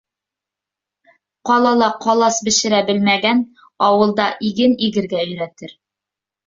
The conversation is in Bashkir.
Ҡалала ҡалас бешерә белмәгән, ауылда иген игергә өйрәтер.